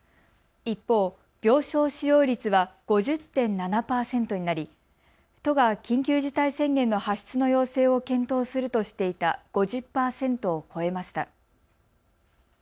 一方、病床使用率は５０．７％になり都が緊急事態宣言の発出の要請を検討するとしていた５０％を超えました。